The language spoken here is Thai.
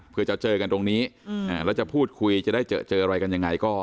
เพื่อจะเจอกันตรงนี้แล้วจะพูดคุยจะได้เจออะไรกันยังไงก็